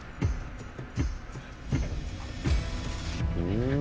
うん！